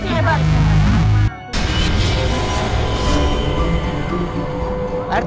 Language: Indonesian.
rt kenapa rt